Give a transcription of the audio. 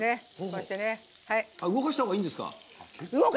動かしたほうがいいんですか。